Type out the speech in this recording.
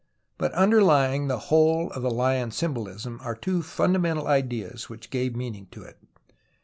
118 TUTANKHAMEN But underlying the whole of the lion symbolism are two fundamental ideas which gave meaning to it.